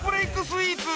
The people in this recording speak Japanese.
スイーツ